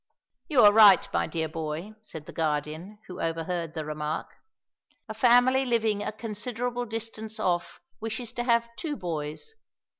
"You are right, my dear boy," said the Guardian, who overheard the remark. "A family living a considerable distance off wishes to have two boys.